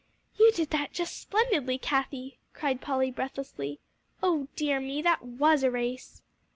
"You did that just splendidly, Cathie," cried Polly breathlessly. "Oh dear me, that was a race!"